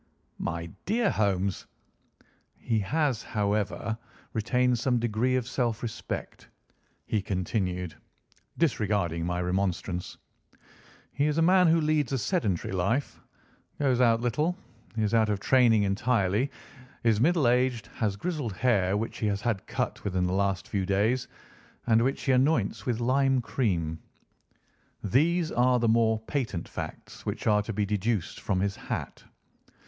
"My dear Holmes!" "He has, however, retained some degree of self respect," he continued, disregarding my remonstrance. "He is a man who leads a sedentary life, goes out little, is out of training entirely, is middle aged, has grizzled hair which he has had cut within the last few days, and which he anoints with lime cream. These are the more patent facts which are to be deduced from his hat.